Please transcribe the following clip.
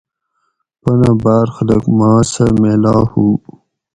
پنہ باۤر خلق ما سہۤ میلا ہُو